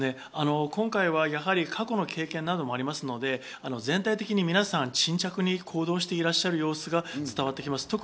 今回は過去の経験などもありますので、全体的に皆さん、沈着に行動していらっしゃる様子が伝わってきます。